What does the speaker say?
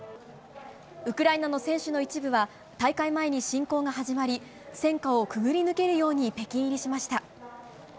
ウクライナの選手の一部は大会前に侵攻が始まり戦火をくぐり抜けるように北京入りしました。